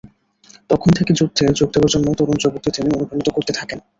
তখন থেকে যুদ্ধে যোগ দেওয়ার জন্য তরুণ-যুবকদের তিনি অনুপ্রাণিত করতে থাকেন।